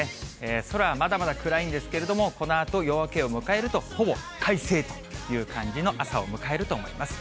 空はまだまだ暗いんですけれども、このあと、夜明けを迎えると、ほぼ快晴という感じの朝を迎えると思います。